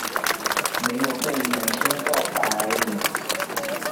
沒有被男生告白